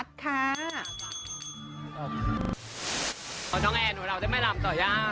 น้องแอนหนูเล่าว่าจะใหม่รำต่อ